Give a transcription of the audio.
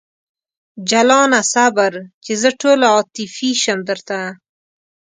جلانه صبر! چې زه ټوله عاطفي شم درته